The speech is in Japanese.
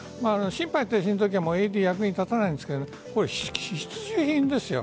心肺停止のときはＡＥＤ、役に立たないんですが必需品ですよ。